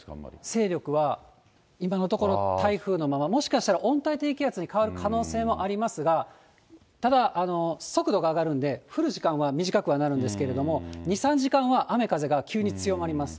勢力は今のところ、台風のまま、もしかしたら温帯低気圧に変わる可能性もありますが、ただ、速度が上がるんで、降る時間は短くはなるんですが、２、３時間は雨風が急に強まります。